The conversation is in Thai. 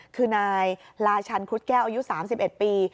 คือนายลาชันครุฑแก้วอายุ๓๑ปี